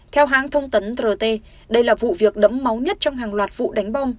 theo hãng thông tấn rt đây là vụ việc đẫm máu nhất trong hàng loạt vụ đánh bom